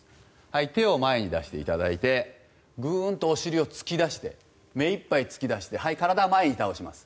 手を前に出していただいてグーンとお尻を突き出して目いっぱい突き出して体を前に倒します。